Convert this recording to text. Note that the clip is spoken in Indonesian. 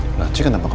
ngaji kembang buka